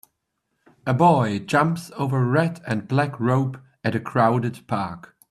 A boy jumps over a red and black rope at a crowded park.